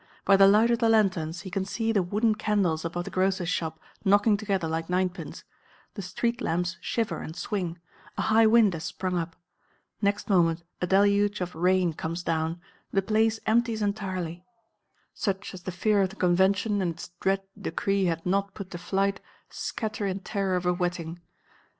By the light of the lanterns he can see the wooden candles above the grocer's shop knocking together like ninepins; the street lamps shiver and swing; a high wind has sprung up. Next moment a deluge of rain comes down; the Place empties entirely; such as the fear of the Convention and its dread decree had not put to flight scatter in terror of a wetting.